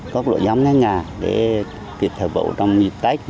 có độ giống ngáy ngà để thực vụ trong dịp tết như đó